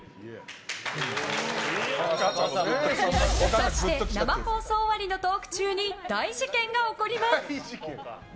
そして、生放送終わりのトーク中に大事件が起こります。